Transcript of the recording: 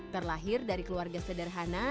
terlahir dari keluarga sederhana